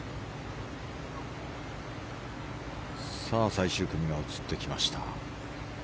最終組が映ってきました。